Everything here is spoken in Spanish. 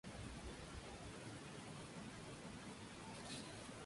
El interferón-gamma tiene un importante papel en la inmunidad innata.